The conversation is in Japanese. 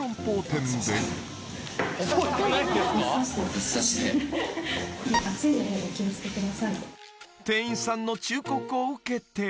［店員さんの忠告を受けて］